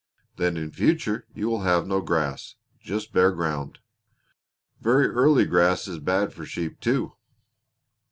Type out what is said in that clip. Then in future you will have no grass just bare ground. Very early grass is bad for sheep, too."